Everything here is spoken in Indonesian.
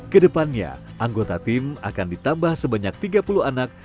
kedepannya anggota tim akan ditambah sebanyak tiga puluh anak